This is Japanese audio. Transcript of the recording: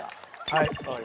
はい。